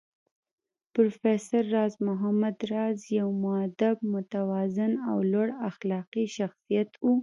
پروفېسر راز محمد راز يو مودب، متوازن او لوړ اخلاقي شخصيت و